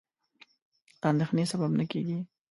د اندېښنې سبب نه کېږي.